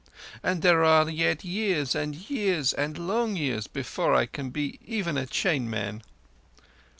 And there are yet years and years and long years before I can be even a chain man."